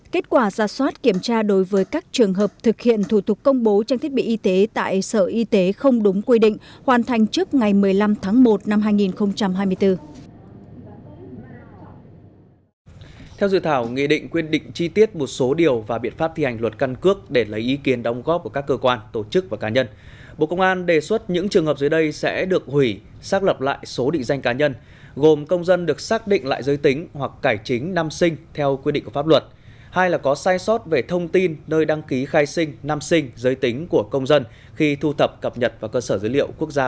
kết quả giả soát kiểm tra đối với các trường hợp thực hiện thủ tục công bố trang thiết bị y tế tại sở y tế không đúng quy định hoàn thành trước ngày một mươi năm tháng một